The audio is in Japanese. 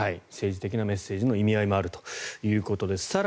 政治的なメッセージの意味合いもあるということです。